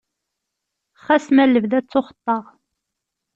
Xas ma lebda ttuxeṭṭaɣ.